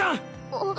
あっ。